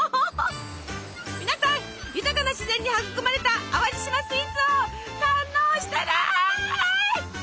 皆さん豊かな自然に育まれた淡路島スイーツを堪能してね！